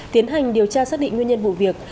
tiến hành điều tra xác định nguyên nhân vụ việc